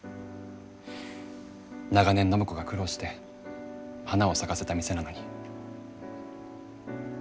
長年暢子が苦労して花を咲かせた店なのに。